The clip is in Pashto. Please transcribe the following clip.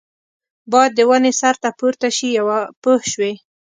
باید د ونې سر ته پورته شي پوه شوې!.